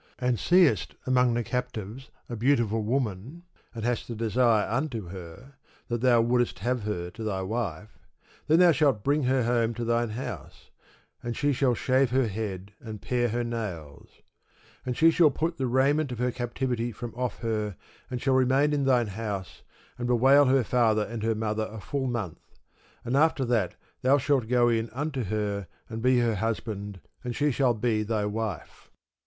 And seest among the captives a beautiful woman, and hast a desire unto her, that thou wouldest have her to thy wife; Then thou shalt bring her home to thine house; and she shall shave her head, and pare her nails; And she shall put the raiment of her captivity from off her, and shall remain in thine house, and bewail her father and her mother a full month: and after that thou shalt go in unto her, and be her husband, and she shall be thy wife.